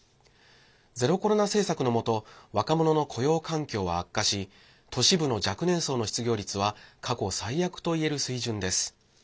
ゼロコロナ政策の下若者の雇用環境は悪化し都市部の若年層の失業率は過去最悪といえる水準です。